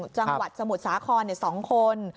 จังหวัดสมุทรสาคร๒คน